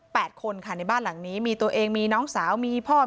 คนค่ะในบ้านหลังนี้มีตัวเองมีน้องสาวมีพ่อ